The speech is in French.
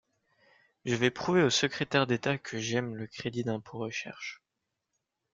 Je vais prouver au secrétaire d’État que j’aime le crédit d’impôt recherche.